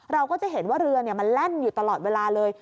เราก็จะเห็นว่าเรือมันแล่นอยู่ตลอดเวลาเลย